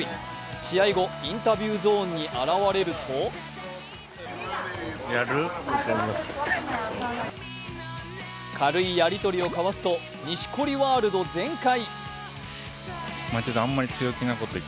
試合後、インタビューゾーンに現れると軽いやり取りを交わすと錦織ワールド全開！